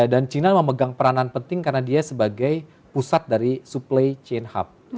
dan china memegang peranan penting karena dia sebagai pusat dari supply chain hub